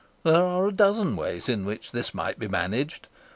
There are a dozen ways in which this might be managed.